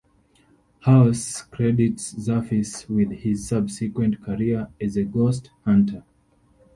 Hawes credits Zaffis with his subsequent career as a ghost hunter.